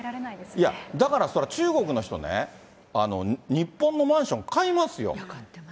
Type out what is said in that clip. いや、だから中国の人ね、日本のマンション買いますよ。